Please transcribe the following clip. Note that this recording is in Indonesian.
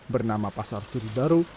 bernama pasar turi baru